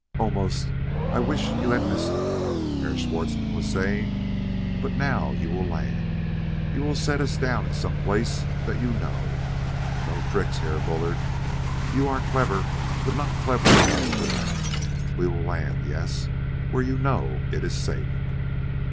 "Almost I wish you had missed it!" Herr Schwartzmann was saying. "But now you will land; you will set us down in some place that you know. No tricks, Herr Bullard! You are clever, but not clever enough for that. We will land, yess, where you know it is safe."